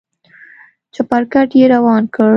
چپرکټ يې روان کړ.